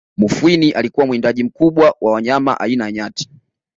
Mufwimi alikuwa mwindaji mkubwa wa wanyama aina ya Nyati